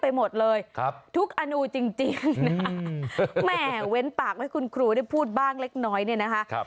แหมเว้นปากให้คุณครูได้พูดบ้างเล็กน้อยเนี่ยนะคะ